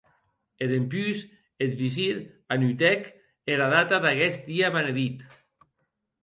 E dempús eth visir anotèc era data d’aguest dia benedit.